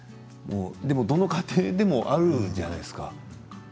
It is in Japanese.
どの家庭でもあるじゃないですか。